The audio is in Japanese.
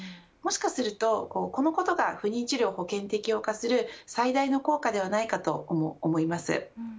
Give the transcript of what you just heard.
もしかするとこのことが不妊治療を保険適用化する最大の効果ではないかと思います。